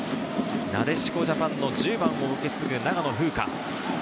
なでしこジャパンの１０番を受け継ぐ長野風花。